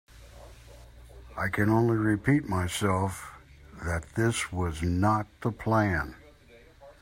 I can only repeat myself that this was not the plan.